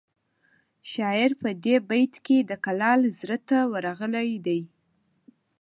شاعر په دې بیت کې د کلال زړه ته ورغلی دی